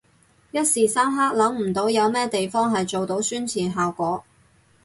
一時三刻諗唔到有咩地方係做到宣傳效果